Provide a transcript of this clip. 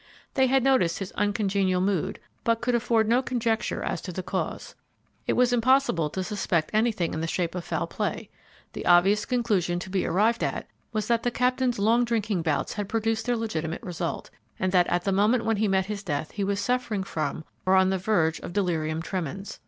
They had noticed his uncongenial mood, but could afford no conjecture as to the cause. It was impossible to suspect anything in the shape of foul play. The obvious conclusion to be arrived at was that the Captain's long drinking bouts had produced their legitimate result, and that at the moment when he met his death he was suffering from, or on the verge of delirium tremens.